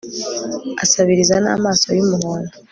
asabiriza namaso yumuhondo